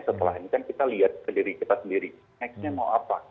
setelah ini kan kita lihat sendiri kita sendiri nextnya mau apa